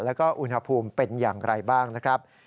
แล้วก็อุณหภูมิเป็นอย่างไรบ้างนะครับ